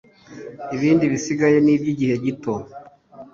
ibindi bisigaye nibyigihe gito